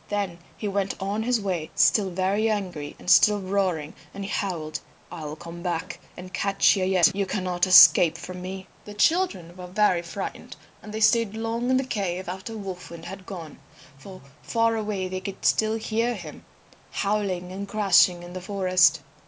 Then he went on his way still very angry and still roaring, and he howled, "I will come back and catch you yet. You cannot escape from me." The children were very frightened and they stayed long in the cave after Wolf Wind had gone, for far away they could still hear him howling and crashing in the forest.